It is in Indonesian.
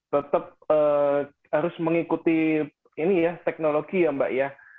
tetap harus mengikuti teknologi ya mbak